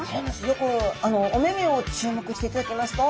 よくお目々を注目していただきますと。